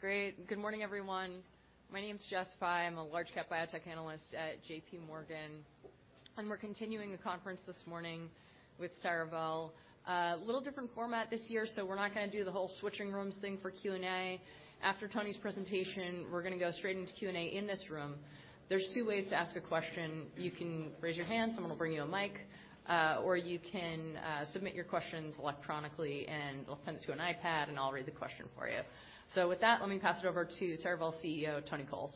Great. Good morning, everyone. My name is Jessica Fye. I'm a large-cap biotech analyst at JPMorgan, we're continuing the conference this morning with Cerevel. A little different format this year, we're not gonna do the whole switching rooms thing for Q&A. After Tony's presentation, we're gonna go straight into Q&A in this room. There's two ways to ask a question. You can raise your hand, someone will bring you a mic, you can submit your questions electronically, they'll send it to an iPad, I'll read the question for you. With that, let me pass it over to Cerevel CEO, Tony Coles.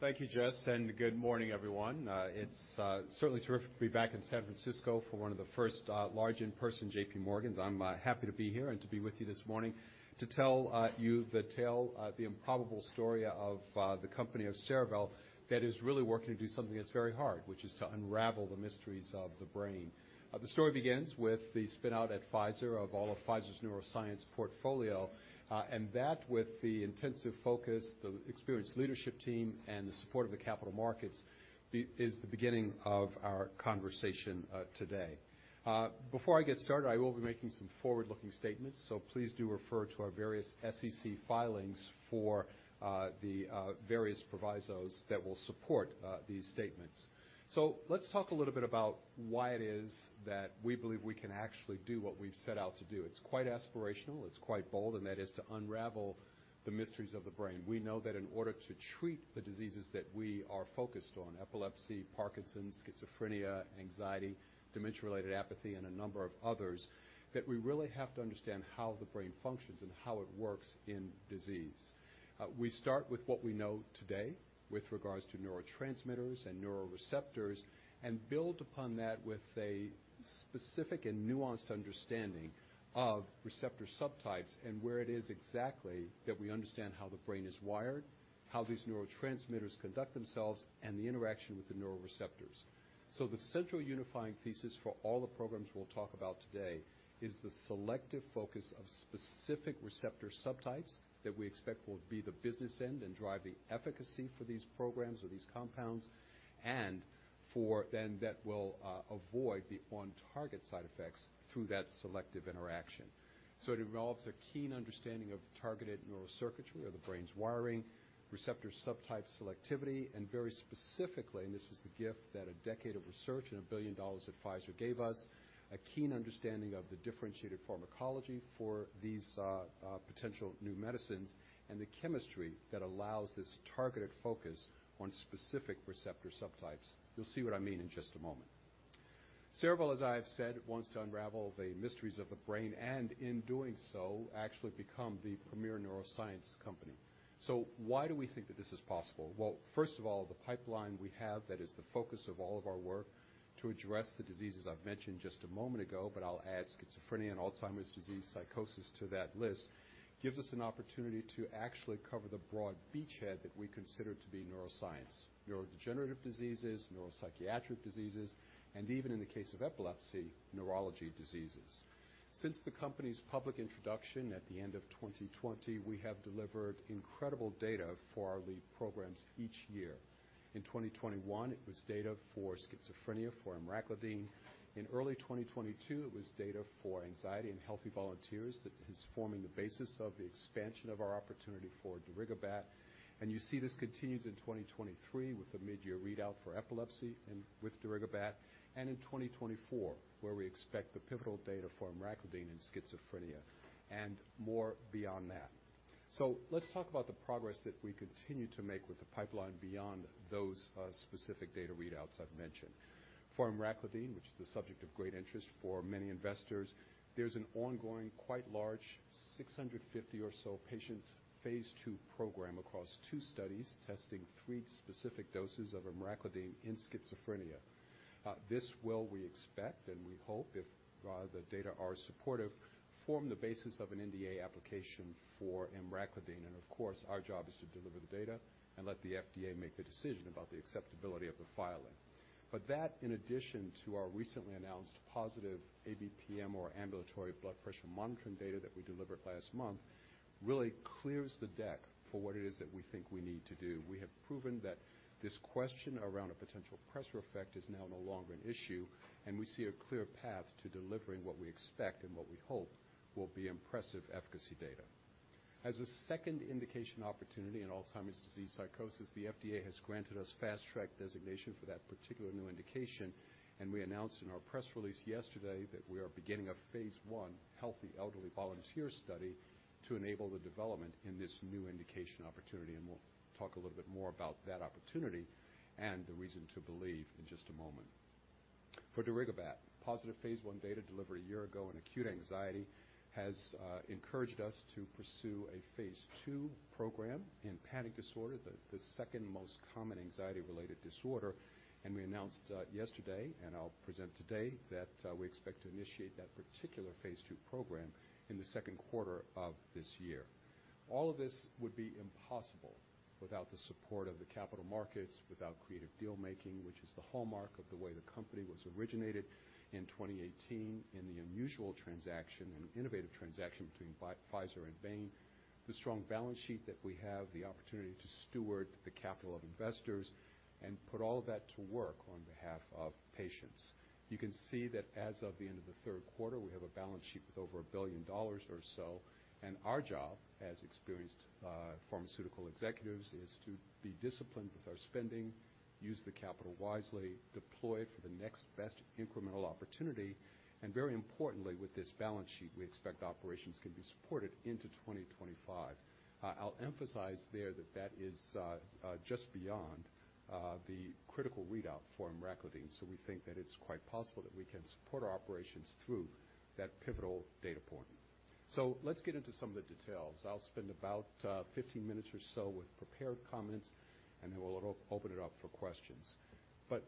Thank you, Jess, and good morning, everyone. It's certainly terrific to be back in San Francisco for one of the first large in-person JPMorgan's. I'm happy to be here and to be with you this morning to tell you the tale of the improbable story of the company of Cerevel that is really working to do something that's very hard, which is to unravel the mysteries of the brain. The story begins with the spin-out at Pfizer of all of Pfizer's neuroscience portfolio, and that with the intensive focus, the experienced leadership team, and the support of the capital markets, is the beginning of our conversation today. Before I get started, I will be making some forward-looking statements, so please do refer to our various SEC filings for the various provisos that will support these statements. Let's talk a little bit about why it is that we believe we can actually do what we've set out to do. It's quite aspirational. It's quite bold, and that is to unravel the mysteries of the brain. We know that in order to treat the diseases that we are focused on, epilepsy, Parkinson's, schizophrenia, anxiety, dementia-related apathy, and a number of others, that we really have to understand how the brain functions and how it works in disease. We start with what we know today with regards to neurotransmitters and neuroreceptors and build upon that with a specific and nuanced understanding of receptor subtypes and where it is exactly that we understand how the brain is wired, how these neurotransmitters conduct themselves, and the interaction with the neuroreceptors. The central unifying thesis for all the programs we'll talk about today is the selective focus of specific receptor subtypes that we expect will be the business end and drive the efficacy for these programs or these compounds, and for then that will avoid the on-target side effects through that selective interaction. It involves a keen understanding of targeted neural circuitry or the brain's wiring, receptor subtype selectivity, and very specifically, and this was the gift that a decade of research and $1 billion at Pfizer gave us, a keen understanding of the differentiated pharmacology for these potential new medicines and the chemistry that allows this targeted focus on specific receptor subtypes. You'll see what I mean in just a moment. Cerevel, as I have said, wants to unravel the mysteries of the brain and, in doing so, actually become the premier neuroscience company. Why do we think that this is possible? Well, first of all, the pipeline we have that is the focus of all of our work to address the diseases I've mentioned just a moment ago, but I'll add schizophrenia and Alzheimer's disease psychosis to that list, gives us an opportunity to actually cover the broad beachhead that we consider to be neuroscience. Neurodegenerative diseases, neuropsychiatric diseases, and even in the case of epilepsy, neurology diseases. Since the company's public introduction at the end of 2020, we have delivered incredible data for our lead programs each year. In 2021, it was data for schizophrenia for emraclidine. In early 2022, it was data for anxiety in healthy volunteers that is forming the basis of the expansion of our opportunity for darigabat. You see this continues in 2023 with a mid-year readout for epilepsy and with darigabat, and in 2024, where we expect the pivotal data for emraclidine in schizophrenia and more beyond that. Let's talk about the progress that we continue to make with the pipeline beyond those specific data readouts I've mentioned. For emraclidine, which is the subject of great interest for many investors, there's an ongoing, quite large, 650 or so patient phase II program across two studies testing three specific doses of emraclidine in schizophrenia. This will, we expect, and we hope, if the data are supportive, form the basis of an NDA application for emraclidine. Of course, our job is to deliver the data and let the FDA make the decision about the acceptability of the filing. That, in addition to our recently announced positive ABPM or ambulatory blood pressure monitoring data that we delivered last month, really clears the deck for what it is that we think we need to do. We have proven that this question around a potential pressure effect is now no longer an issue, and we see a clear path to delivering what we expect and what we hope will be impressive efficacy data. As a second indication opportunity in Alzheimer's disease psychosis, the FDA has granted us Fast Track designation for that particular new indication, and we announced in our press release yesterday that we are beginning a phase I healthy elderly volunteer study to enable the development in this new indication opportunity. We'll talk a little bit more about that opportunity and the reason to believe in just a moment. For darigabat, positive phase I data delivered a year ago in acute anxiety has encouraged us to pursue a phase II program in panic disorder, the second most common anxiety-related disorder. We announced yesterday, and I'll present today, that we expect to initiate that particular phase II program in the second quarter of this year. All of this would be impossible without the support of the capital markets, without creative deal-making, which is the hallmark of the way the company was originated in 2018 in the unusual transaction and innovative transaction between Pfizer and Bain. The strong balance sheet that we have, the opportunity to steward the capital of investors and put all that to work on behalf of patients. You can see that as of the end of the third quarter, we have a balance sheet with over $1 billion or so. Our job, as experienced, pharmaceutical executives, is to be disciplined with our spending, use the capital wisely, deploy it for the next best incremental opportunity. Very importantly, with this balance sheet, we expect operations can be supported into 2025. I'll emphasize there that that is just beyond the critical readout for emraclidine. We think that it's quite possible that we can support our operations through that pivotal data point. Let's get into some of the details. I'll spend about 15 minutes or so with prepared comments. We'll open it up for questions.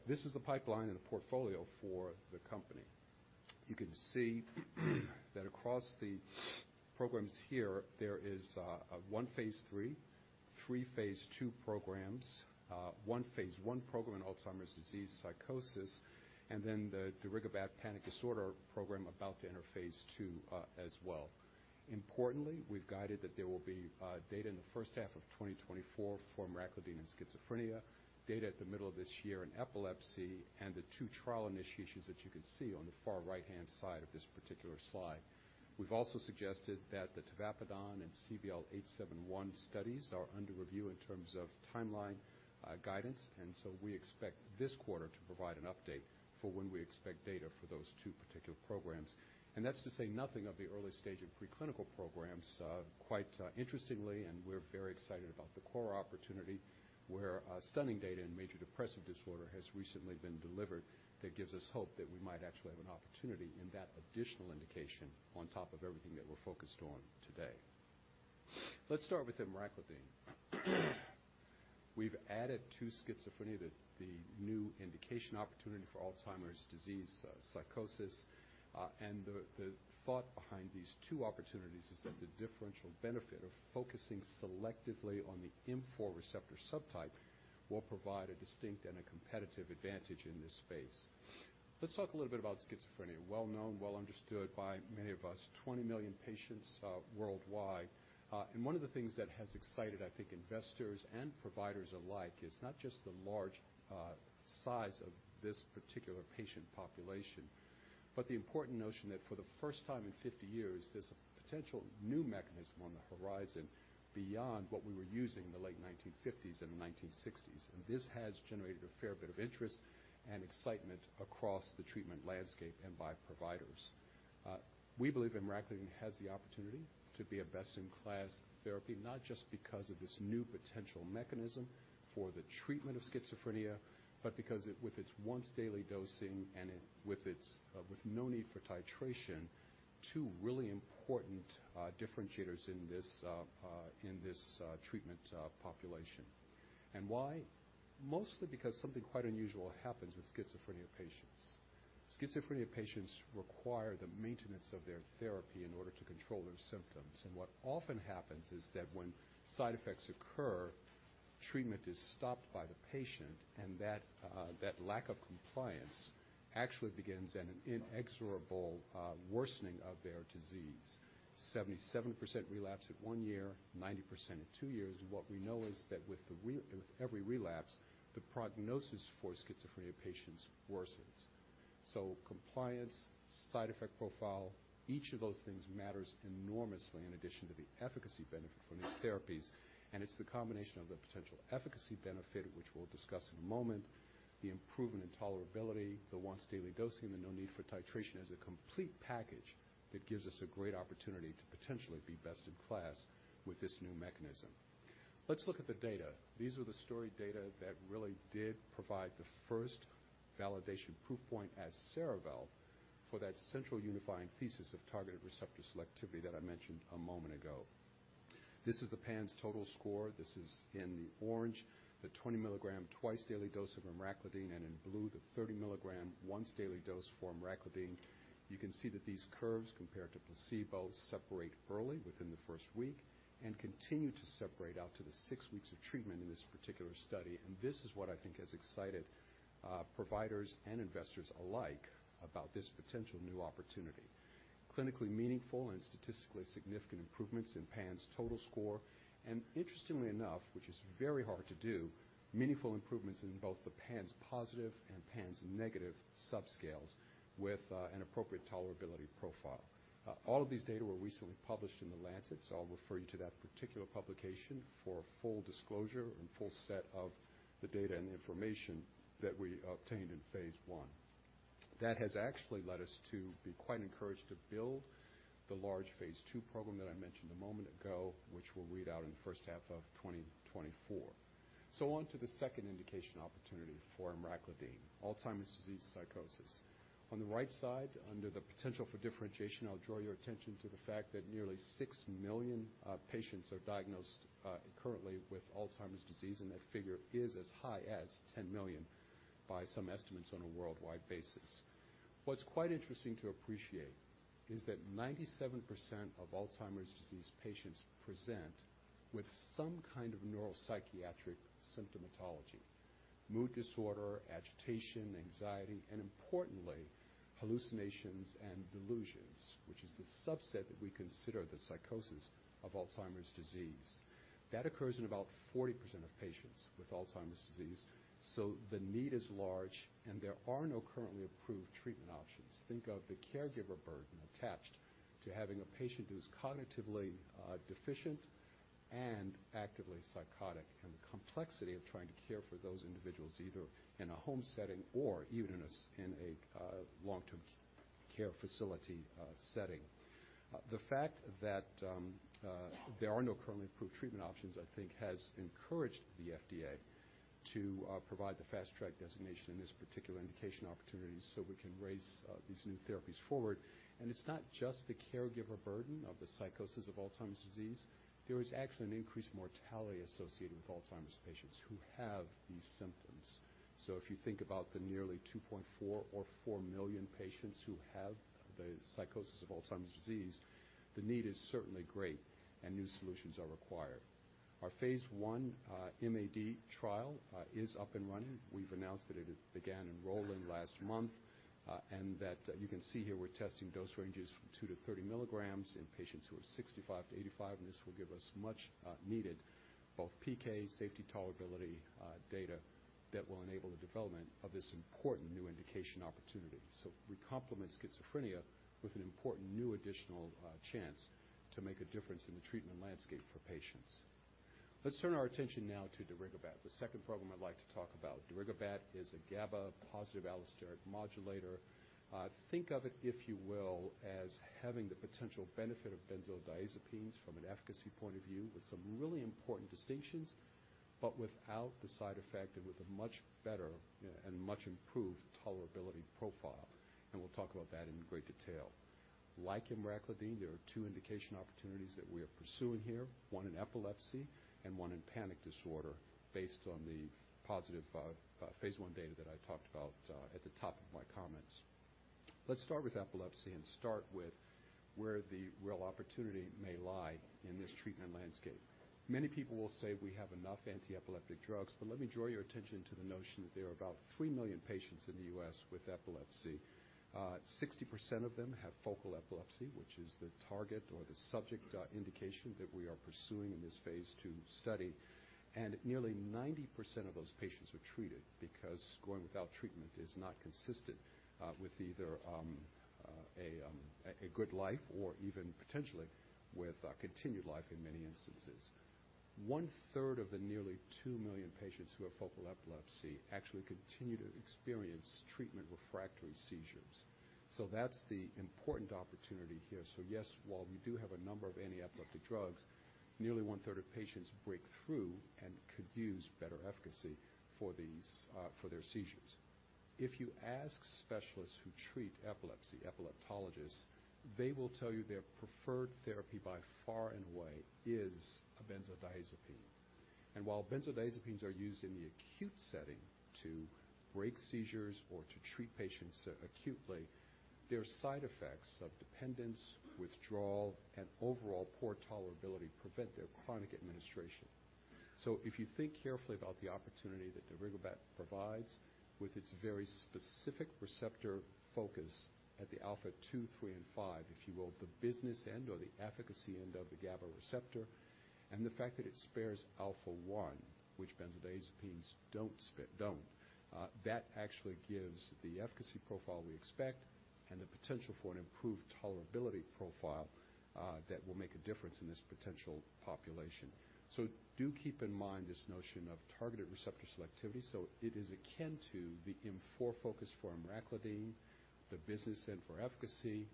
This is the pipeline and the portfolio for the company. You can see that across the programs here, there is one phase III, three phase II programs, one phase I program in Alzheimer's disease psychosis, and then the darigabat panic disorder program about to enter phase II as well. Importantly, we've guided that there will be data in the first half of 2024 for emraclidine and schizophrenia, data at the middle of this year in epilepsy, and the two trial initiations that you can see on the far right-hand side of this particular slide. We've also suggested that the tavapadon and CVL-871 studies are under review in terms of timeline guidance, we expect this quarter to provide an update for when we expect data for those two particular programs. That's to say nothing of the early stage of preclinical programs. Quite interestingly, we're very excited about the core opportunity, where stunning data in major depressive disorder has recently been delivered that gives us hope that we might actually have an opportunity in that additional indication on top of everything that we're focused on today. Let's start with emraclidine. We've added to schizophrenia, the new indication opportunity for Alzheimer's disease psychosis, the thought behind these two opportunities is that the differential benefit of focusing selectively on the M4 receptor subtype will provide a distinct and a competitive advantage in this space. Let's talk a little bit about schizophrenia. Well-known, well understood by many of us, 20 million patients worldwide. One of the things that has excited, I think investors and providers alike, is not just the large size of this particular patient population, but the important notion that for the first time in 50 years, there's a potential new mechanism on the horizon beyond what we were using in the late 1950s and 1960s. This has generated a fair bit of interest and excitement across the treatment landscape and by providers. We believe emraclidine has the opportunity to be a best-in-class therapy, not just because of this new potential mechanism for the treatment of schizophrenia, but because with its once-daily dosing and with its no need for titration, two really important differentiators in this treatment population. Why? Mostly because something quite unusual happens with schizophrenia patients. Schizophrenia patients require the maintenance of their therapy in order to control their symptoms. What often happens is that when side effects occur, treatment is stopped by the patient, and that lack of compliance actually begins an inexorable worsening of their disease. 77% relapse at one year, 90% at two years. We know is that with every relapse, the prognosis for schizophrenia patients worsens. Compliance, side effect profile, each of those things matters enormously in addition to the efficacy benefit from these therapies. It's the combination of the potential efficacy benefit, which we'll discuss in a moment, the improvement in tolerability, the once daily dosing, the no need for titration, is a complete package that gives us a great opportunity to potentially be best in class with this new mechanism. Let's look at the data. These were the story data that really did provide the first validation proof point at Cerevel for that central unifying thesis of targeted receptor selectivity that I mentioned a moment ago. This is the PANSS total score. This is in the orange, the 20 mg twice daily dose of emraclidine, and in blue, the 30 mg once daily dose for emraclidine. You can see that these curves compared to placebo separate early within the first week and continue to separate out to the 6 weeks of treatment in this particular study. This is what I think has excited providers and investors alike about this potential new opportunity. Clinically meaningful and statistically significant improvements in PANSS total score. Interestingly enough, which is very hard to do, meaningful improvements in both the PANSS positive and PANSS negative subscales with an appropriate tolerability profile. All of these data were recently published in The Lancet, so I'll refer you to that particular publication for a full disclosure and full set of the data and the information that we obtained in phase I. That has actually led us to be quite encouraged to build the large phase II program that I mentioned a moment ago, which we'll read out in the first half of 2024. On to the second indication opportunity for emraclidine, Alzheimer's disease psychosis. On the right side, under the potential for differentiation, I'll draw your attention to the fact that nearly 6 million patients are diagnosed currently with Alzheimer's disease, and that figure is as high as 10 million by some estimates on a worldwide basis. What's quite interesting to appreciate is that 97% of Alzheimer's disease patients present with some kind of neuropsychiatric symptomatology, mood disorder, agitation, anxiety, and importantly, hallucinations and delusions, which is the subset that we consider the psychosis of Alzheimer's disease. That occurs in about 40% of patients with Alzheimer's disease. The need is large, and there are no currently approved treatment options. Think of the caregiver burden attached to having a patient who is cognitively deficient and actively psychotic, and the complexity of trying to care for those individuals, either in a home setting or even in a long-term care facility setting. The fact that there are no currently approved treatment options, I think has encouraged the FDA to provide the Fast Track designation in this particular indication opportunity so we can raise these new therapies forward. It's not just the caregiver burden of the psychosis of Alzheimer's disease. There is actually an increased mortality associated with Alzheimer's patients who have these symptoms. If you think about the nearly 2.4 million or 4 million patients who have the psychosis of Alzheimer's disease, the need is certainly great and new solutions are required. Our phase I MAD trial is up and running. We've announced that it began enrolling last month, and that you can see here we're testing dose ranges from 2 mg-30 mg in patients who are 65-85, and this will give us much needed both PK, safety tolerability data that will enable the development of this important new indication opportunity. We complement schizophrenia with an important new additional chance to make a difference in the treatment landscape for patients. Let's turn our attention now to darigabat, the second program I'd like to talk about. darigabat is a GABA positive allosteric modulator. Think of it, if you will, as having the potential benefit of benzodiazepines from an efficacy point of view, with some really important distinctions, but without the side effect and with a much better and much improved tolerability profile. We'll talk about that in great detail. Like emraclidine, there are two indication opportunities that we are pursuing here, one in epilepsy and one in panic disorder, based on the positive phase I data that I talked about at the top of my comments. Let's start with epilepsy and start with where the real opportunity may lie in this treatment landscape. Many people will say we have enough antiepileptic drugs, but let me draw your attention to the notion that there are about 3 million patients in the U.S. with epilepsy. 60% of them have focal epilepsy, which is the target or the subject indication that we are pursuing in this phase II study. Nearly 90% of those patients are treated because going without treatment is not consistent with either a good life or even potentially with continued life in many instances. One-third of the nearly 2 million patients who have focal epilepsy actually continue to experience treatment refractory seizures. That's the important opportunity here. Yes, while we do have a number of antiepileptic drugs, nearly one-third of patients break through and could use better efficacy for these for their seizures. If you ask specialists who treat epilepsy, epileptologists, they will tell you their preferred therapy by far and away is a benzodiazepine. While benzodiazepines are used in the acute setting to break seizures or to treat patients acutely, there are side effects of dependence, withdrawal, and overall poor tolerability prevent their chronic administration. If you think carefully about the opportunity that darigabat provides with its very specific receptor focus at the alpha-2/3/5, if you will, the business end or the efficacy end of the GABA receptor, and the fact that it spares alpha-1, which benzodiazepines don't, that actually gives the efficacy profile we expect and the potential for an improved tolerability profile that will make a difference in this potential population. Do keep in mind this notion of targeted receptor selectivity. It is akin to the M4 focus for emraclidine, the business end for efficacy,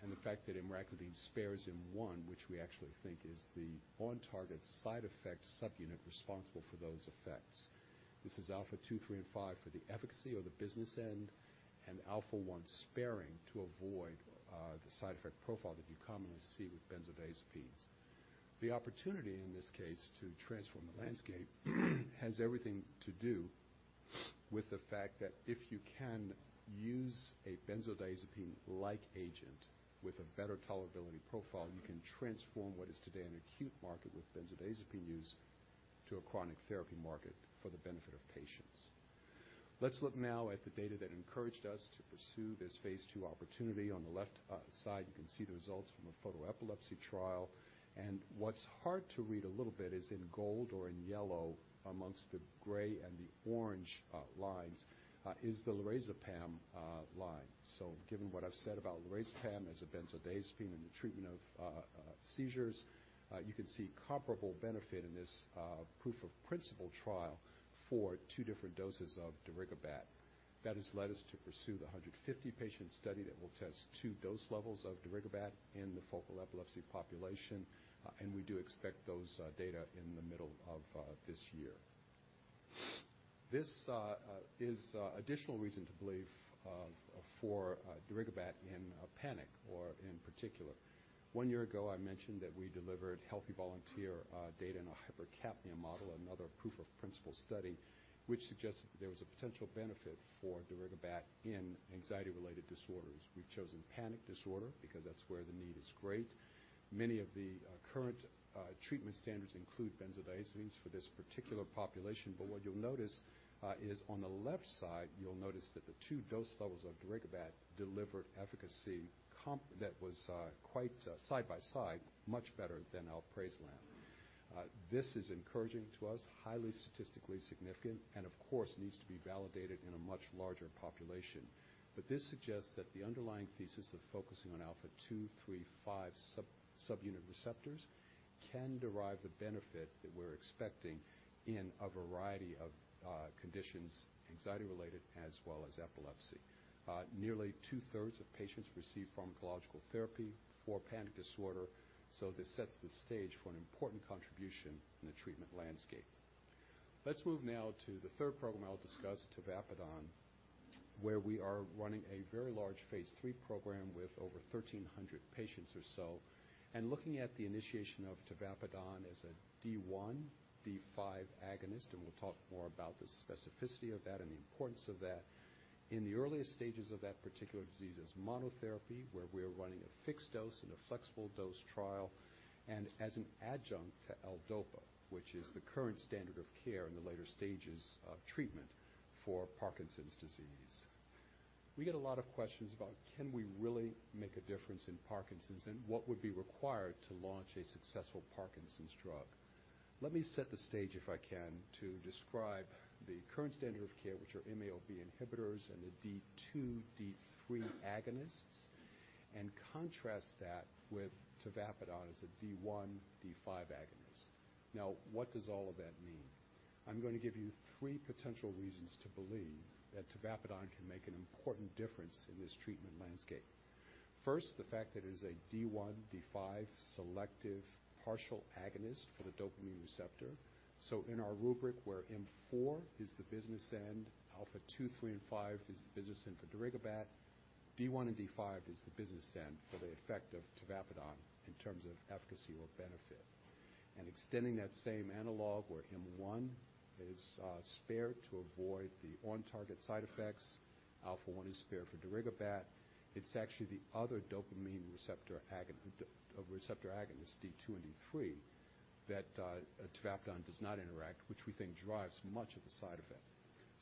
and the fact that emraclidine spares M1, which we actually think is the on target side effect subunit responsible for those effects. This is alpha-2/3/5 for the efficacy or the business end, and alpha-1 sparing to avoid the side effect profile that you commonly see with benzodiazepines. The opportunity in this case to transform the landscape has everything to do with the fact that if you can use a benzodiazepine-like agent with a better tolerability profile, you can transform what is today an acute market with benzodiazepine use to a chronic therapy market for the benefit of patients. Let's look now at the data that encouraged us to pursue this phase II opportunity. On the left side, you can see the results from a photosensitivity trial. What's hard to read a little bit is in gold or in yellow amongst the gray and the orange lines is the lorazepam line. Given what I've said about lorazepam as a benzodiazepine in the treatment of seizures, you can see comparable benefit in this proof of principle trial for two different doses of darigabat. That has led us to pursue the 150 patient study that will test two dose levels of darigabat in the focal epilepsy population. We do expect those data in the middle of this year. This is additional reason to believe for darigabat in panic or in particular. one year ago, I mentioned that we delivered healthy volunteer data in our hypercapnia model, another proof of principle study, which suggests that there was a potential benefit for darigabat in anxiety-related disorders. We've chosen panic disorder because that's where the need is great. Many of the current treatment standards include benzodiazepines for this particular population. What you'll notice is on the left side, you'll notice that the two dose levels of darigabat delivered efficacy that was quite side by side, much better than alprazolam. This is encouraging to us, highly statistically significant, and of course, needs to be validated in a much larger population. This suggests that the underlying thesis of focusing on alpha-2/3/5 sub-subunit receptors can derive the benefit that we're expecting in a variety of conditions, anxiety-related as well as epilepsy. Nearly two-thirds of patients receive pharmacological therapy for panic disorder. This sets the stage for an important contribution in the treatment landscape. Let's move now to the third program I'll discuss, tavapadon, where we are running a very large phase III program with over 1,300 patients or so, and looking at the initiation of tavapadon as a D1/D5 agonist, and we'll talk more about the specificity of that and the importance of that. In the earliest stages of that particular disease as monotherapy, where we're running a fixed dose and a flexible dose trial, and as an adjunct to L-DOPA, which is the current standard of care in the later stages of treatment for Parkinson's disease. We get a lot of questions about, can we really make a difference in Parkinson's, and what would be required to launch a successful Parkinson's drug? Let me set the stage, if I can, to describe the current standard of care, which are MAO-B inhibitors and the D2/D3 agonists, and contrast that with tavapadon as a D1/D5 agonist. What does all of that mean? I'm gonna give you three potential reasons to believe that tavapadon can make an important difference in this treatment landscape. First, the fact that it is a D1/D5 selective partial agonist for the dopamine receptor. In our rubric where M4 is the business end, alpha-2/3/5 is the business end for darigabat. D1/D5 is the business end for the effect of tavapadon in terms of efficacy or benefit. Extending that same analog where M1 is spared to avoid the on-target side effects. alpha-1 is spared for darigabat. It's actually the other dopamine receptor agonist, D2/D3, that tavapadon does not interact, which we think drives much of the side effect.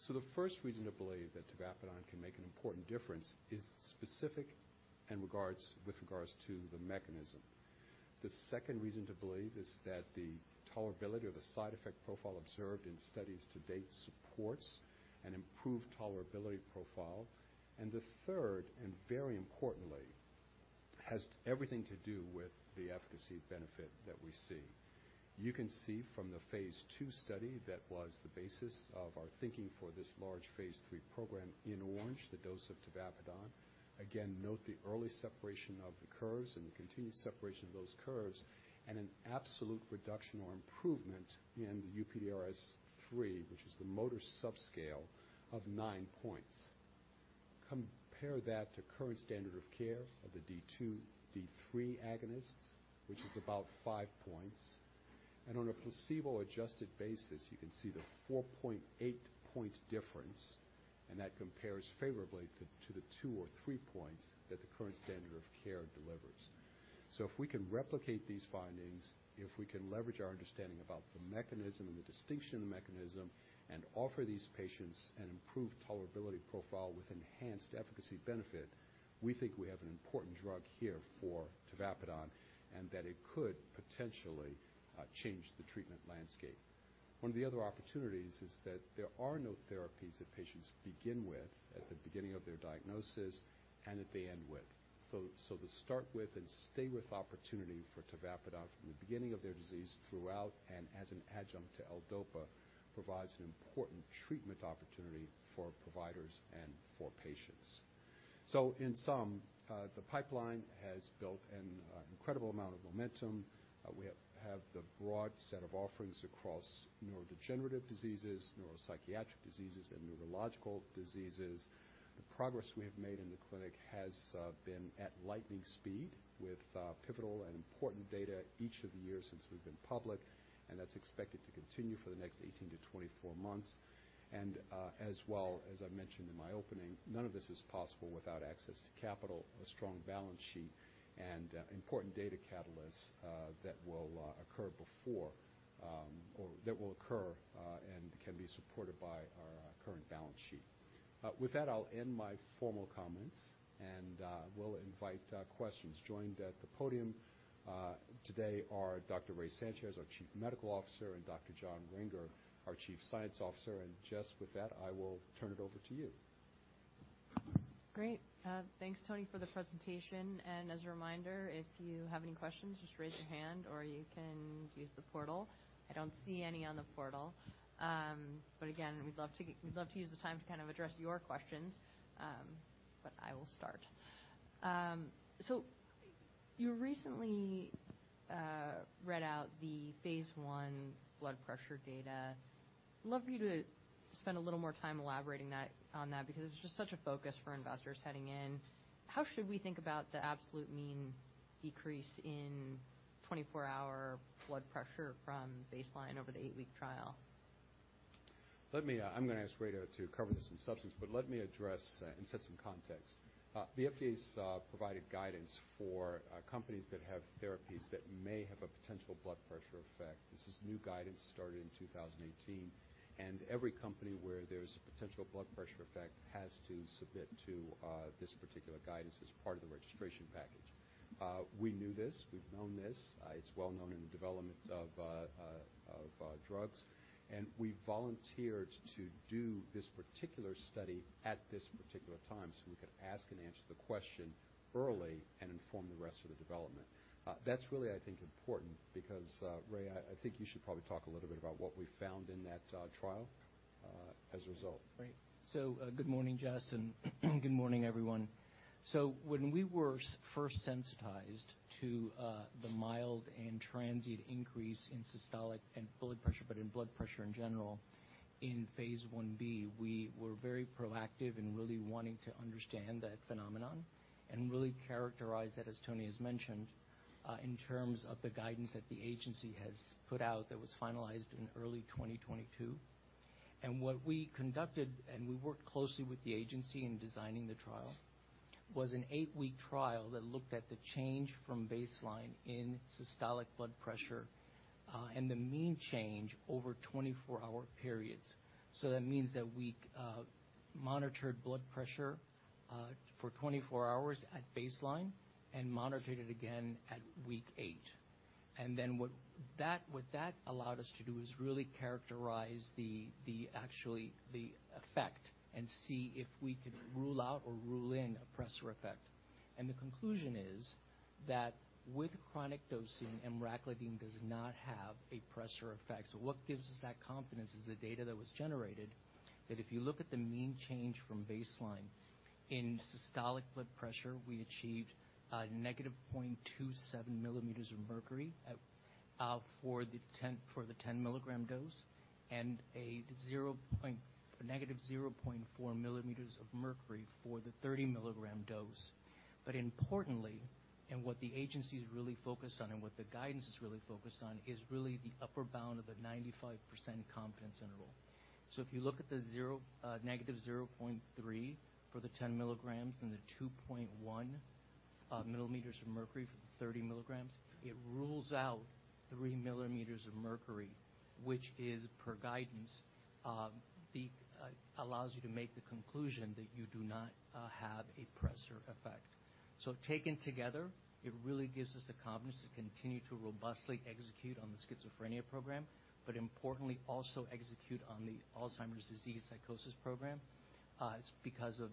The first reason to believe that tavapadon can make an important difference is specific with regards to the mechanism. The second reason to believe is that the tolerability or the side effect profile observed in studies to date supports an improved tolerability profile. The third, and very importantly, has everything to do with the efficacy benefit that we see. You can see from the phase II study that was the basis of our thinking for this large phase III program in orange, the dose of tavapadon. Again, note the early separation of the curves and the continued separation of those curves, and an absolute reduction or improvement in the UPDRS Part III, which is the motor subscale of nine points. Compare that to current standard of care of the D2/D3 agonists, which is about five points. On a placebo-adjusted basis, you can see the 4.8 point difference, and that compares favorably to the 2 or 3 points that the current standard of care delivers. If we can replicate these findings, if we can leverage our understanding about the mechanism and the distinction of the mechanism, and offer these patients an improved tolerability profile with enhanced efficacy benefit, we think we have an important drug here for tavapadon, and that it could potentially change the treatment landscape. One of the other opportunities is that there are no therapies that patients begin with at the beginning of their diagnosis and that they end with. To start with and stay with opportunity for tavapadon from the beginning of their disease throughout and as an adjunct to levodopa, provides an important treatment opportunity for providers and for patients. In sum, the pipeline has built an incredible amount of momentum. We have the broad set of offerings across neurodegenerative diseases, neuropsychiatric diseases, and neurological diseases. The progress we have made in the clinic has been at lightning speed with pivotal and important data each of the years since we've been public, and that's expected to continue for the next 18-24 months. As well, as I mentioned in my opening, none of this is possible without access to capital, a strong balance sheet, and important data catalysts that will occur before or that will occur and can be supported by our current balance sheet. With that, I'll end my formal comments and we'll invite questions. Joined at the podium today are Dr. Ray Sanchez, our Chief Medical Officer, and Dr. John Renger, our Chief Scientific Officer. Jess, with that, I will turn it over to you. Great. Thanks Tony for the presentation. As a reminder, if you have any questions, just raise your hand or you can use the portal. I don't see any on the portal. Again, we'd love to use the time to kind of address your questions. I will start. You recently read out the phase I blood pressure data. Love you to spend a little more time elaborating on that because it's just such a focus for investors heading in. How should we think about the absolute mean decrease in 24-hour blood pressure from baseline over the 8-week trial? Let me... I'm gonna ask Ray to cover this in substance, but let me address and set some context. The FDA's provided guidance for companies that have therapies that may have a potential blood pressure effect. This is new guidance started in 2018, and every company where there's a potential blood pressure effect has to submit to this particular guidance as part of the registration package. We knew this. We've known this. It's well known in the development of drugs, and we volunteered to do this particular study at this particular time, so we could ask and answer the question early and inform the rest of the development. That's really, I think, important because, Ray, I think you should probably talk a little bit about what we found in that trial as a result. Right. Good morning, Jess, and good morning, everyone. When we were first sensitized to the mild and transient increase in systolic and blood pressure, but in blood pressure in general, in phase I-B, we were very proactive in really wanting to understand that phenomenon and really characterize that, as Tony has mentioned, in terms of the guidance that the agency has put out that was finalized in early 2022. What we conducted, and we worked closely with the agency in designing the trial, was an 8-week trial that looked at the change from baseline in systolic blood pressure, and the mean change over 24-hour periods. That means that we monitored blood pressure for 24 hours at baseline and monitored it again at week 8. What that allowed us to do is really characterize the actually the effect and see if we could rule out or rule in a pressure effect. The conclusion is that with chronic dosing, emraclidine does not have a pressure effect. What gives us that confidence is the data that was generated that if you look at the mean change from baseline in systolic blood pressure, we achieved a -0.27 mm of mercury for the 10-mg dose and a negative 0.4 mm of mercury for the 30-mg dose. Importantly, and what the agency's really focused on and what the guidance is really focused on is really the upper bound of the 95% confidence interval. If you look at the -0.3 for the 10 mg and the 2.1 mm of mercury for the 30 mg, it rules out 3 mm of mercury which is per guidance, allows you to make the conclusion that you do not have a pressure effect. Taken together, it really gives us the confidence to continue to robustly execute on the schizophrenia program but importantly also execute on the Alzheimer's disease psychosis program. It's because of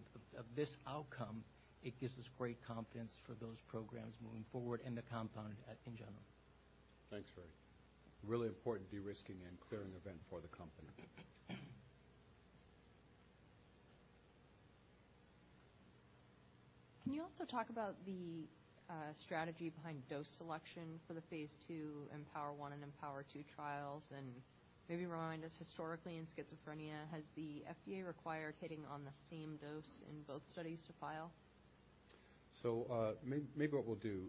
this outcome, it gives us great confidence for those programs moving forward and the compound in general. Thanks, Ray. Really important de-risking and clearing event for the company. Can you also talk about the strategy behind dose selection for the phase II EMPOWER-1 and EMPOWER-2 trials? Maybe remind us historically in schizophrenia, has the FDA required hitting on the same dose in both studies to file? Maybe what we'll do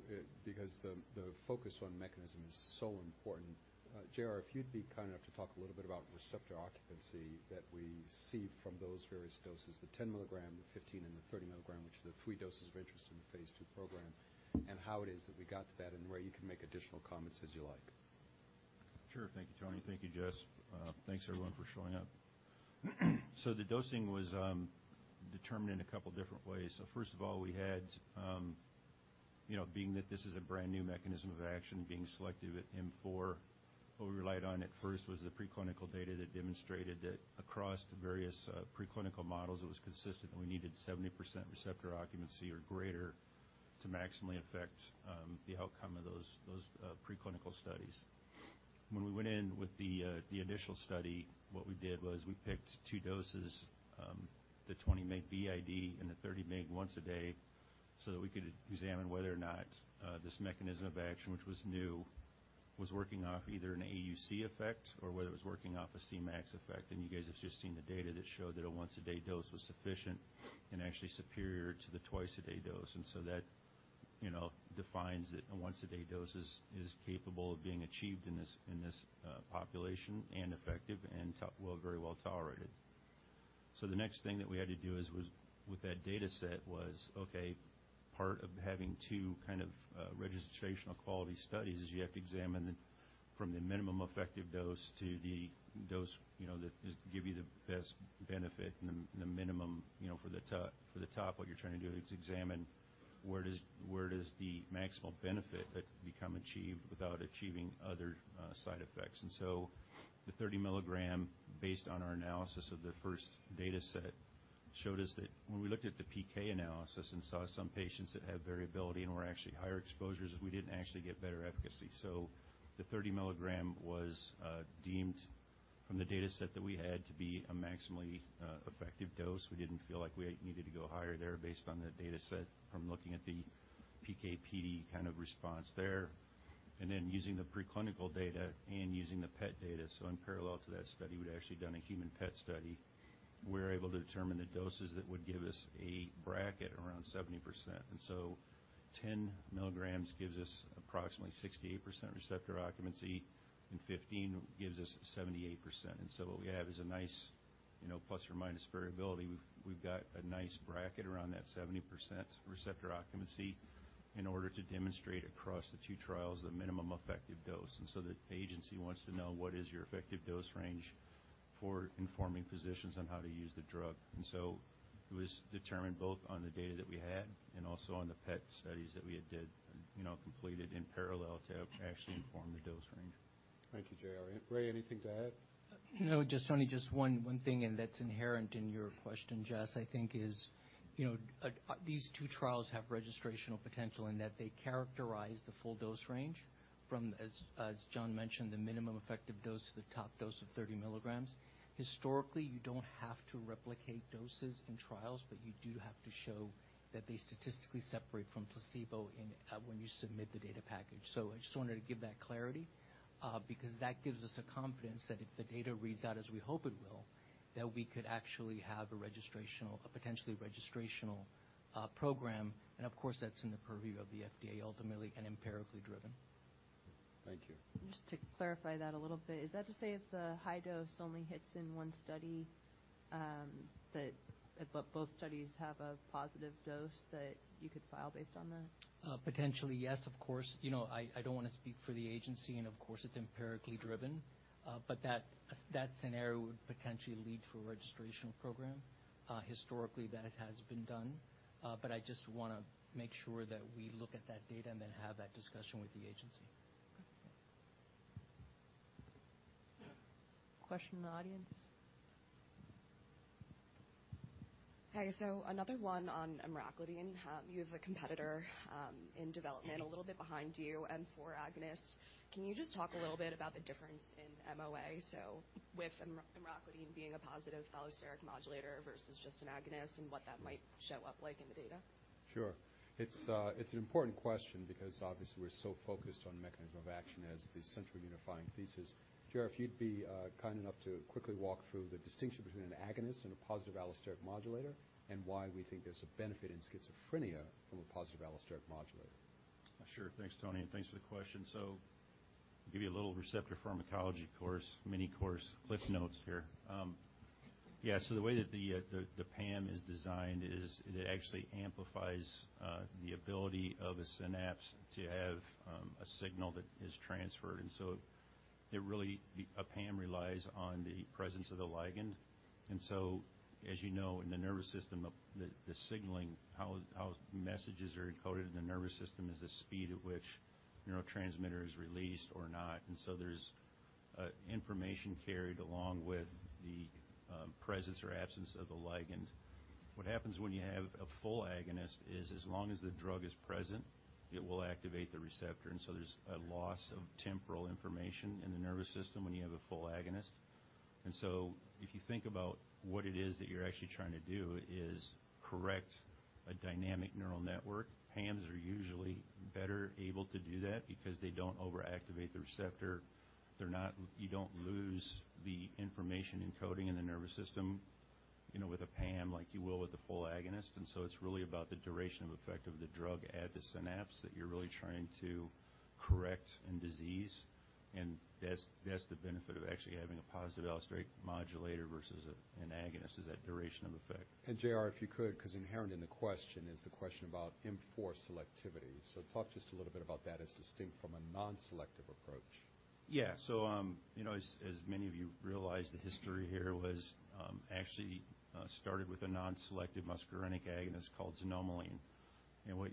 because the focus on mechanism is so important. J.R., if you'd be kind enough to talk a little bit about receptor occupancy that we see from those various doses, the 10 mg, the 15, and the 30 mg, which are the three doses of interest in the phase II program, and how it is that we got to that, and Ray you can make additional comments as you like. Sure. Thank you, Tony. Thank you, Jess. Thanks everyone for showing up. The dosing was determined in a couple different ways. First of all, we had, you know, being that this is a brand-new mechanism of action being selective at M4, what we relied on at first was the preclinical data that demonstrated that across the various preclinical models, it was consistent, and we needed 70% receptor occupancy or greater to maximally affect the outcome of those preclinical studies. When we went in with the initial study, what we did was we picked two doses, the 20 mg BID and the 30 mg once a day, so that we could examine whether or not this mechanism of action, which was new, was working off either an AUC effect or whether it was working off a Cmax effect. You guys have just seen the data that showed that a once-a-day dose was sufficient and actually superior to the twice-a-day dose. That, you know, defines that a once-a-day dose is capable of being achieved in this population and effective and well, very well tolerated. The next thing that we had to do is with that dataset was, part of having two kind of registrational quality studies is you have to examine the from the minimum effective dose to the dose, you know, that is give you the best benefit and the minimum, you know, for the top what you're trying to do is examine where does the maximal benefit become achieved without achieving other side effects. The 30 mg, based on our analysis of the first dataset, showed us that when we looked at the PK analysis and saw some patients that had variability and were actually higher exposures, we didn't actually get better efficacy. The 30 mg was deemed from the dataset that we had to be a maximally effective dose. We didn't feel like we needed to go higher there based on the data set from looking at the PK/PD kind of response there. Using the preclinical data and using the PET data. In parallel to that study, we'd actually done a human PET study. We're able to determine the doses that would give us a bracket around 70%. 10 mg gives us approximately 68% receptor occupancy, and 15 gives us 78%. What we have is a nice, you know, plus or minus variability. We've got a nice bracket around that 70% receptor occupancy in order to demonstrate across the two trials the minimum effective dose. The agency wants to know what is your effective dose range for informing physicians on how to use the drug. It was determined both on the data that we had and also on the PET studies that we had did, you know, completed in parallel to actually inform the dose range. Thank you, J.R. Ray, anything to add? No, just one thing, and that's inherent in your question, Jess. I think is, you know, these two trials have registrational potential in that they characterize the full dose range from, as John mentioned, the minimum effective dose to the top dose of 30 mg. Historically, you don't have to replicate doses in trials, but you do have to show that they statistically separate from placebo in when you submit the data package. I just wanted to give that clarity, because that gives us a confidence that if the data reads out as we hope it will, that we could actually have a potentially registrational program. Of course, that's in the purview of the FDA ultimately and empirically driven. Thank you. Just to clarify that a 2little bit. Is that to say if the high dose only hits in one study, that, but both studies have a positive dose that you could file based on that? Potentially, yes, of course. You know, I don't want to speak for the agency, and of course it's empirically driven. That scenario would potentially lead to a registrational program. Historically, that has been done. I just wanna make sure that we look at that data and then have that discussion with the agency. Question in the audience. Hi. Another one on emraclidine. You have a competitor in development a little bit behind you, M4 agonist. Can you just talk a little bit about the difference in MOA, with emraclidine being a positive allosteric modulator versus just an agonist and what that might show up like in the data? Sure. It's, it's an important question because obviously we're so focused on mechanism of action as the central unifying thesis. J.R., if you'd be kind enough to quickly walk through the distinction between an agonist and a positive allosteric modulator, and why we think there's a benefit in schizophrenia from a positive allosteric modulator. Sure. Thanks, Tony, thanks for the question. Give you a little receptor pharmacology course, mini course cliff notes here. Yeah, the way that the PAM is designed is it actually amplifies the ability of a synapse to have a signal that is transferred. A PAM relies on the presence of the ligand. As you know, in the nervous system, the signaling, how messages are encoded in the nervous system is the speed at which neurotransmitter is released or not. There's information carried along with the presence or absence of the ligand. What happens when you have a full agonist is as long as the drug is present, it will activate the receptor. There's a loss of temporal information in the nervous system when you have a full agonist. If you think about what it is that you're actually trying to do is correct a dynamic neural network, PAMs are usually better able to do that because they don't overactivate the receptor. You don't lose the information encoding in the nervous system, you know, with a PAM like you will with a full agonist. It's really about the duration of effect of the drug at the synapse that you're really trying to correct in disease. That's the benefit of actually having a positive allosteric modulator versus an agonist is that duration of effect. J.R., if you could, 'cause inherent in the question is the question about M4 selectivity. Talk just a little bit about that as distinct from a non-selective approach. You know, as many of you realize, the history here was started with a non-selective muscarinic agonist called xanomeline. What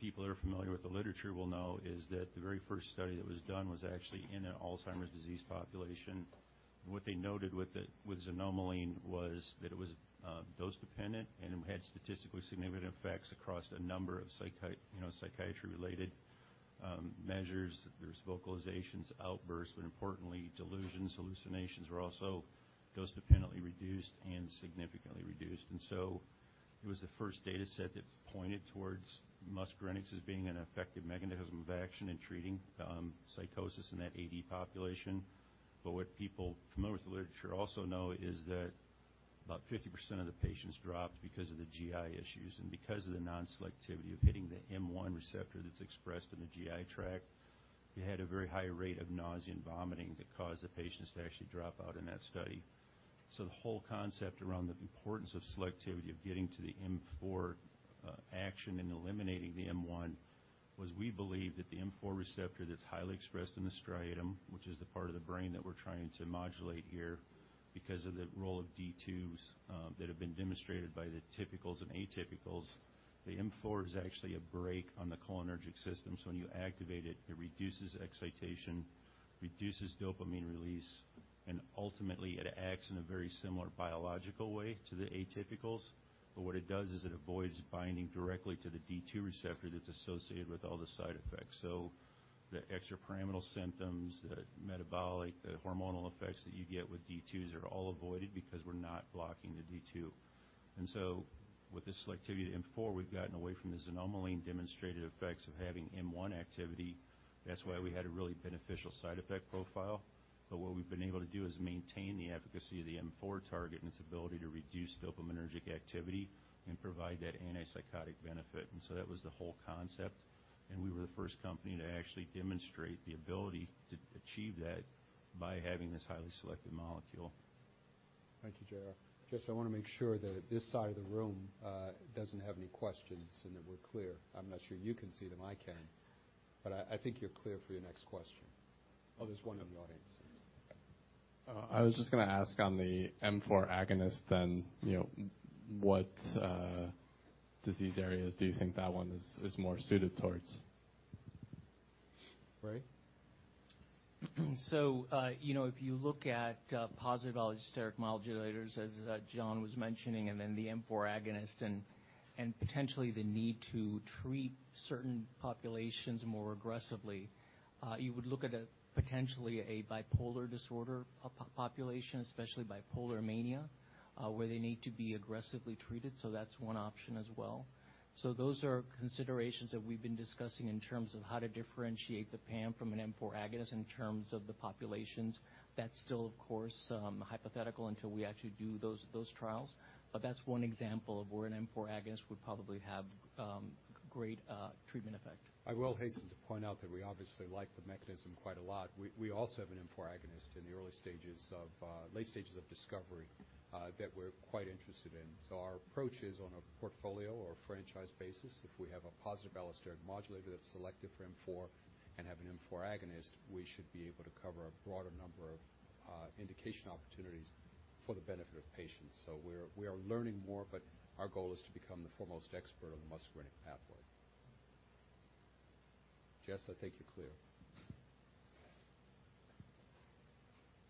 people are familiar with the literature will know is that the very first study that was done was in an Alzheimer's disease population. What they noted with the, with xanomeline was that it was dose dependent and had statistically significant effects across a number of you know, psychiatry-related measures. There's vocalizations, outbursts, but importantly, delusions, hallucinations were also dose dependently reduced and significantly reduced. It was the first data set that pointed towards muscarinic as being an effective mechanism of action in treating psychosis in that AD population. What people familiar with the literature also know is that about 50% of the patients dropped because of the GI issues and because of the non-selectivity of hitting the M1 receptor that's expressed in the GI tract. You had a very high rate of nausea and vomiting that caused the patients to actually drop out in that study. The whole concept around the importance of selectivity, of getting to the M4 action and eliminating the M1 was we believe that the M4 receptor that's highly expressed in the striatum, which is the part of the brain that we're trying to modulate here, because of the role of D2s that have been demonstrated by the typicals and atypicals. The M4 is actually a break on the cholinergic system. When you activate it reduces excitation, reduces dopamine release. Ultimately, it acts in a very similar biological way to the atypicals. What it does is it avoids binding directly to the D2 receptor that's associated with all the side effects. The extrapyramidal symptoms, the metabolic, the hormonal effects that you get with D2s are all avoided because we're not blocking the D2. With this selectivity to M4, we've gotten away from the xanomeline demonstrated effects of having M1 activity. That's why we had a really beneficial side effect profile. What we've been able to do is maintain the efficacy of the M4 target and its ability to reduce dopaminergic activity and provide that antipsychotic benefit. That was the whole concept. We were the first company to actually demonstrate the ability to achieve that by having this highly selective molecule. Thank you, J.R.. Jess, I wanna make sure that this side of the room doesn't have any questions and that we're clear. I'm not sure you can see them. I can, but I think you're clear for your next question. Oh, there's one in the audience. I was just gonna ask on the M4 agonist then, you know, what disease areas do you think that one is more suited towards? Ray? You know, if you look at positive allosteric modulators as John was mentioning and then the M4 agonist and potentially the need to treat certain populations more aggressively, you would look at a potentially a bipolar disorder population, especially bipolar mania, where they need to be aggressively treated. That's one option as well. Those are considerations that we've been discussing in terms of how to differentiate the PAM from an M4 agonist in terms of the populations. That's still, of course, hypothetical until we actually do those trials. That's one example of where an M4 agonist would probably have great treatment effect. I will hasten to point out that we obviously like the mechanism quite a lot. We also have an M4 agonist in the early stages of late stages of discovery, that we're quite interested in. Our approach is on a portfolio or franchise basis. If we have a positive allosteric modulator that's selective for M4 and have an M4 agonist, we should be able to cover a broader number of indication opportunities for the benefit of patients. We are learning more, but our goal is to become the foremost expert on the muscarinic pathway. Jess, I think you're clear.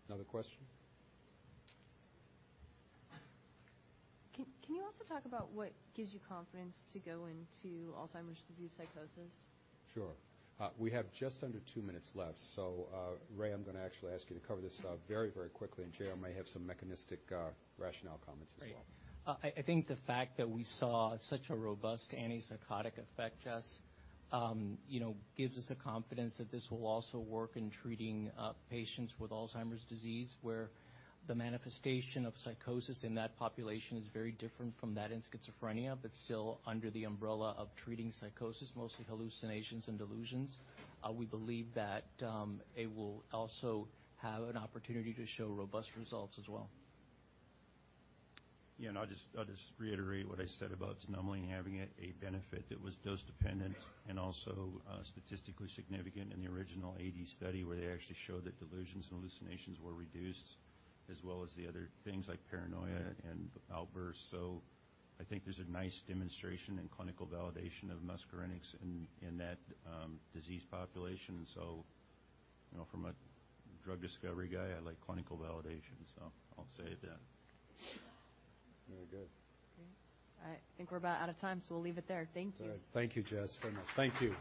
Another question? Can you also talk about what gives you confidence to go into Alzheimer's disease psychosis? Sure. We have just under two minutes left. Ray, I'm gonna actually ask you to cover this, very, very quickly. J.R. may have some mechanistic rationale comments as well. Right. I think the fact that we saw such a robust antipsychotic effect, Jess, you know, gives us the confidence that this will also work in treating patients with Alzheimer's disease, where the manifestation of psychosis in that population is very different from that in schizophrenia, but still under the umbrella of treating psychosis, mostly hallucinations and delusions. We believe that it will also have an opportunity to show robust results as well. I'll just reiterate what I said about xanomeline having a benefit that was dose dependent and also statistically significant in the original AD study, where they actually showed that delusions and hallucinations were reduced, as well as the other things like paranoia and outbursts. I think there's a nice demonstration and clinical validation of muscarinics in that disease population. You know, from a drug discovery guy, I like clinical validation, I'll say that. Very good. Okay. I think we're about out of time, so we'll leave it there. Thank you. All right. Thank you, Jess, very much. Thank you.